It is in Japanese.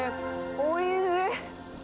おいしい。